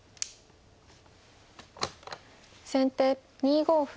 先手２五歩。